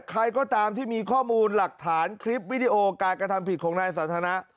ใครก็ตามที่มีข้อมูลหลักฐานคลิปวิดีโอการกระทำผิดของนายสันทนะ